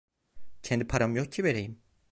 Kendi param yok ki vereyim…